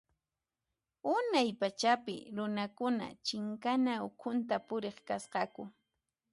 Unay pachapi runakuna chinkana ukhunta puriq kasqaku.